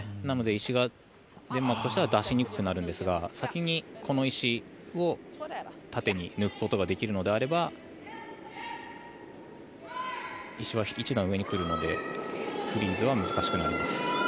なので、石がデンマークとしては出しにくくなるんですが先にこの石を縦に抜くことができるのであれば石は一段上に来るのでフリーズは難しくなります。